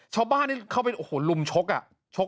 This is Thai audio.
ชาวบ้านที่เข้าไปโอ้โหลุมชกอ่ะชก